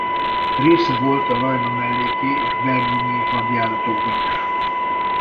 Része volt a Rajna-melléki és belgiumi hadjáratokban is.